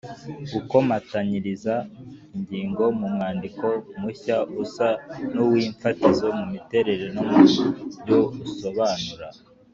gukomatanyiriza ingingo mu mwandiko mushya usa n’uw’ifatizo mu miterere no mu byo usobanura.